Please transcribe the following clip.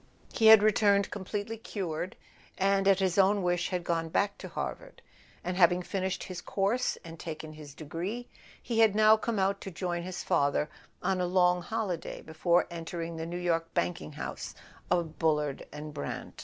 He had returned completely cured, and at his own wish had gone back to Harvard; and having finished his course and taken his degree, he had now come out to join his father on a long holiday before entering the New York banking house of Bullard and Brant.